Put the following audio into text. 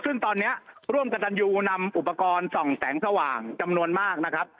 ซึ่งตอนนี้ร่วมกับตันยูนำอุปกรณ์ส่องแสงสว่างจำนวนมากนะครับ